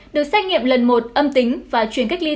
được xét nghiệm lần một âm tính và chuyển cách ly